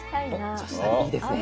おっ女子旅いいですね。